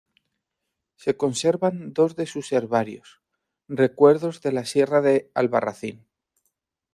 Se conservan dos de sus herbarios: "Recuerdos de la Sierra de Albarracín.